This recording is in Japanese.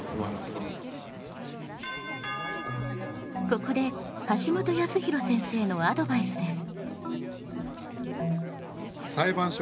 ここで橋本康弘先生のアドバイスです。